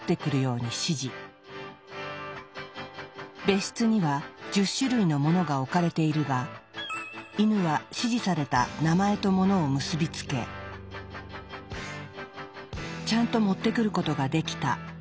別室には１０種類の物が置かれているがイヌは指示された名前と物を結び付けちゃんと持ってくることができた。